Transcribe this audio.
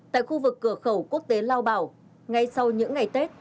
tại khu vực cửa khẩu quốc tế lao bảo ngay sau những ngày tết